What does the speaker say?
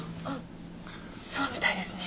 そうみたいですね。